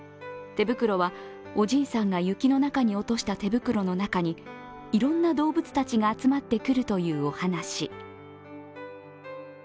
「てぶくろ」はおじいさんが雪の中に落とした手袋の中に、いろんな動物たちが集まってくるというお話。